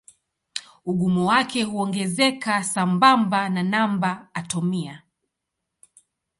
Ugumu wake huongezeka sambamba na namba atomia.